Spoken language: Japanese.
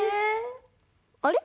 あれ？